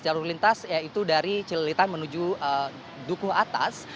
jalur lintas yaitu dari cililitan menuju dukuh atas